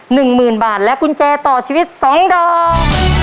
หนึ่งหมื่นบาทและกุญแจต่อชีวิตสองดอก